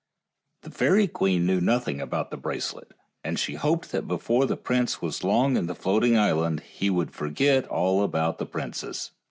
The fairy queen knew nothing about the brace let, and she hoped that before the prince was long in the floating island he would forget all about the princess.